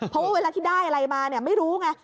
เพราะว่าเวลาที่ได้อะไรมาไม่รู้ไง